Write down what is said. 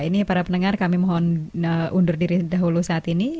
ini para pendengar kami mohon undur diri dahulu saat ini